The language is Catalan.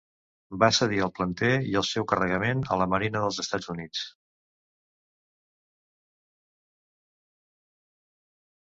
Va cedir el "Planter" i el seu carregament a la Marina dels Estats Units.